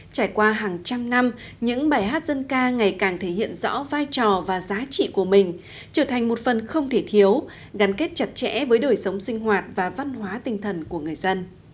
trải qua hàng trăm năm những bài hát dân ca ngày càng thể hiện rõ vai trò và giá trị của mình trở thành một phần không thể thiếu gắn kết chặt chẽ với đời sống sinh hoạt và văn hóa tinh thần của người dân